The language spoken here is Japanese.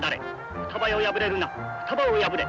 双葉よ敗れるな双葉を破れ」。